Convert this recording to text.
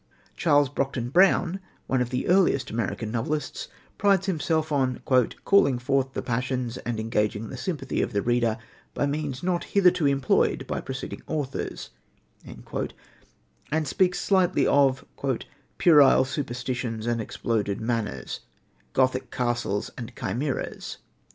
Charles Brockden Brown, one of the earliest American novelists, prides himself on "calling forth the passions and engaging the sympathy of the reader by means not hitherto employed by preceding authors," and speaks slightingly of "puerile superstitions and exploded manners, Gothic castles and chimeras."